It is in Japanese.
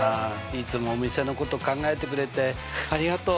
いつもお店のこと考えてくれてありがとう。